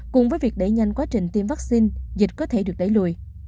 cùng với việc đẩy nhanh quá trình tiêm vaccine dịch có thể được đẩy lùi